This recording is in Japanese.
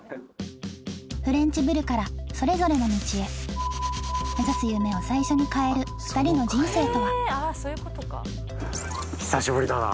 フレンチぶるからそれぞれの道へ目指す夢を最初に変える２人の人生とは久しぶりだな。